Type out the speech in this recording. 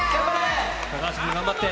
高橋君、頑張って。